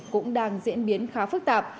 cũng đang diễn biến khá phức tạp